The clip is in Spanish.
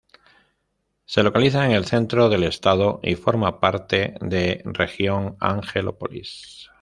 Se localiza en el centro del estado y forma parte de región Angelópolis.